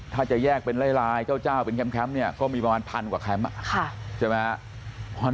ถ้าจะแยกเป็นลายเจ้าเป็นแคมป์เนี่ยก็มีประมาณพันกว่าแคมป์ใช่ไหมครับ